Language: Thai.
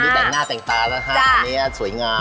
แต่งหน้าแต่งตานะฮะอันนี้สวยงาม